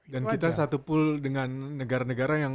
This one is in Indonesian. dan kita satu pool dengan negara negara yang